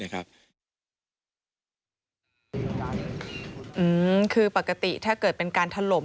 คือปกติถ้าเกิดเป็นการถล่ม